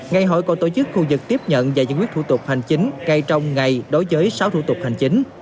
ngày hội còn tổ chức khu vực tiếp nhận và giải quyết thủ tục hành chính ngay trong ngày đối với sáu thủ tục hành chính